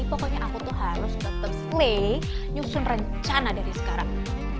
pokoknya aku tuh harus tetap play nyusun rencana dari sekarang